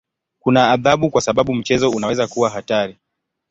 Kuna adhabu kwa sababu mchezo unaweza kuwa hatari.